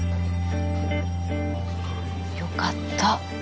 よかった。